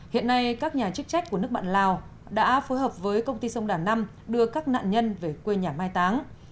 hiện nay các nhà chức trách của nước bạn lào đã phối hợp với công ty sông đà năm đưa các nạn nhân về quê nhà mai táng